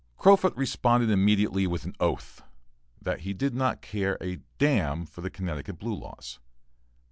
Crofut responded immediately with an oath, that he did not care a d n for the Connecticut blue laws.